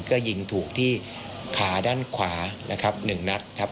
ก็ยิงถูกที่ขาด้านขวานะครับ๑นัดครับ